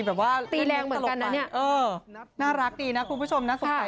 แบบว่าเล่นมุกตลกไปใช่น่ารักดีนะคุณผู้ชมนะสมใจ